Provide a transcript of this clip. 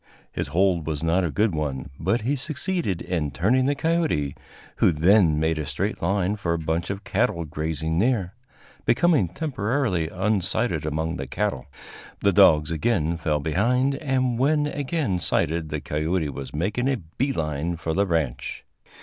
His hold was not a good one, but he succeeded in turning the coyote, who then made a straight line for a bunch of cattle grazing near, becoming temporarily unsighted among the cattle. The dogs again fell behind, and when again sighted the coyote was making a bee line for the ranch.